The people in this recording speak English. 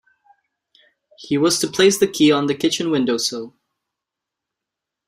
He was to place the key on the kitchen window-sill.